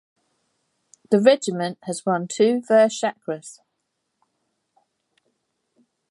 The regiment has won two Vir Chakras.